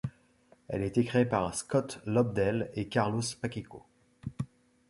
Elle a été créée par Scott Lobdell et Carlos Pachecco.